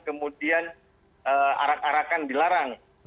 kemudian arak arakan dilarang